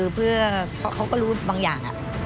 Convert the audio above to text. เพื่อเขาก็รู้บางอย่าง